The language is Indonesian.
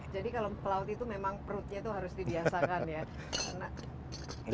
jadi kalau pelaut itu memang perutnya itu harus dibiasakan ya